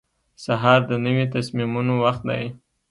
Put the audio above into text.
سهار د نوي تصمیمونو وخت دی.